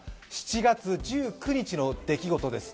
７月１９日の出来事です。